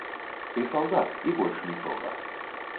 Ты салдат, і больш нічога.